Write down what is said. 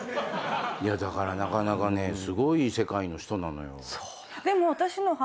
いやだからなかなかねすごい世界の人なのよ。